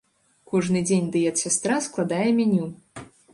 Кожны дзень дыет-сястра складае меню.